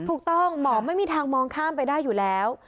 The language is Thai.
หมอไม่มีทางมองข้ามไปได้อยู่แล้ว